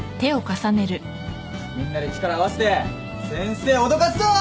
みんなで力合わせて先生おどかすぞ！